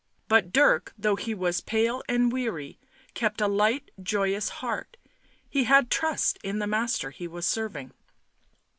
But Dirk, though he was pale and weary, kept a light joyous heart ; he had trust in the master he was serving.